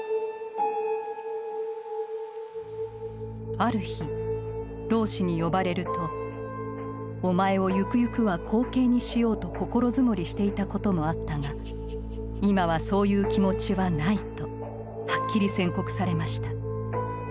ある日老師に呼ばれると「お前をゆくゆくは後継にしようと心積もりしていたこともあったが今はそういう気持ちはない」とはっきり宣告されました。